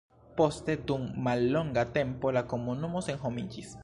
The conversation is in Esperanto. Poste dum mallonga tempo la komunumo senhomiĝis.